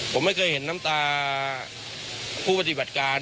ผมไม่เคยเห็นน้ำตาผู้ปฏิบัติการ